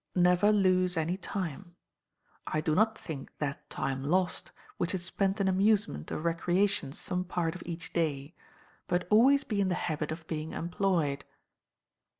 Never lose any time, I do not think that time lost which is spent in amusement or recreation some part of each day; but always be in the habit of being employed.